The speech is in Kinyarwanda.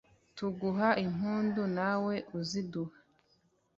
tuguha impundu na we uziduha